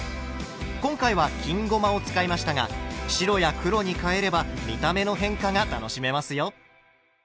今回は金ごまを使いましたが白や黒に変えれば見た目の変化が楽しめますよ。